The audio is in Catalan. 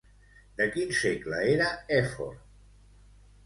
De quin segle era Èfor?